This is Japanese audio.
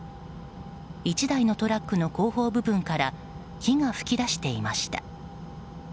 １台のトラックの後方部分から火が噴き出していました。